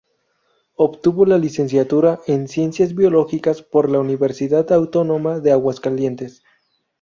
Obtuvo la licenciatura en ciencias biológicas por la Universidad Autónoma de Aguascalientes.